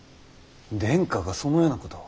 殿下がそのようなことを。